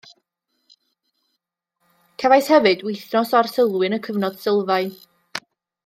Cefais hefyd wythnos o arsylwi yn y cyfnod sylfaen